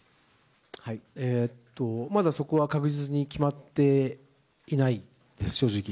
まだそこは確実に決まっていないです、正直。